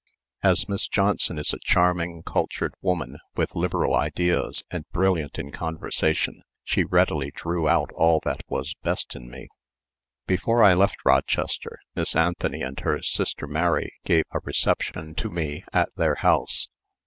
As Miss Johnson is a charming, cultured woman, with liberal ideas and brilliant in conversation, she readily drew out all that was best in me. Before I left Rochester, Miss Anthony and her sister Mary gave a reception to me at their house.